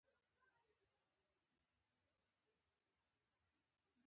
په خبرو پوهېدل د پوهانو کار دی